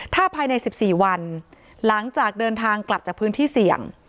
ถ้าภายใน๑๔วันหลังจากเดินทางกลับจากพื้นที่เสี่ยง